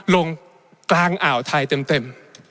ลงกลางอ่าวไทยเต็ม